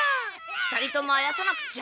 ２人ともあやさなくっちゃ。